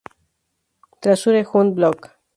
Treasure Hunt blog.